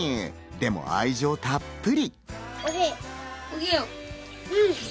でも愛情たっぷり。